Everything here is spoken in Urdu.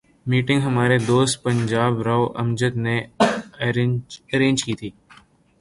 میٹنگ ہمارے دوست پنجاب راؤ امجد نے ارینج کی تھی۔